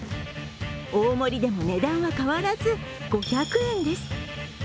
大盛りでも値段は変わらず５００円です。